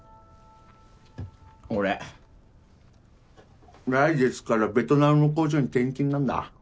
俺来月からベトナムの工場に転勤なんだ。